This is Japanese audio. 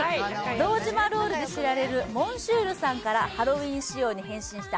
堂島ロールで知られるモンシュールさんからハロウィーン仕様に返信した